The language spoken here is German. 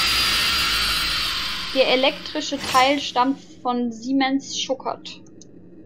Der elektrische Teil stammt von Siemens-Schuckert.